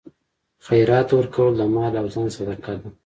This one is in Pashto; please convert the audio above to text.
خیرات ورکول د مال او ځان صدقه ده.